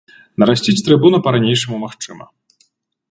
Нарасціць трыбуну па-ранейшаму магчыма.